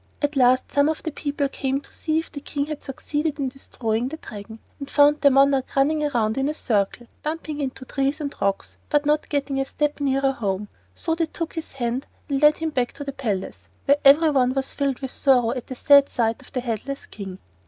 At last some of the people came to see if the King had succeeded in destroying the Dragon, and found their monarch running around in a circle, bumping into trees and rocks, but not getting a step nearer home. SO they took his hand and led him back to the palace, where every one was filled with sorrow at the sad sight of the headless King.